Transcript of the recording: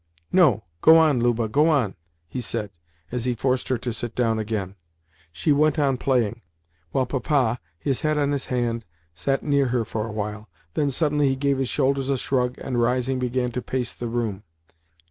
"No, go on, Luba, go on," he said as he forced her to sit down again. She went on playing, while Papa, his head on his hand, sat near her for a while. Then suddenly he gave his shoulders a shrug, and, rising, began to pace the room.